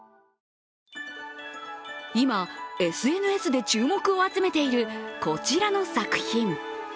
今、ＳＮＳで注目を集めているこちらの作品。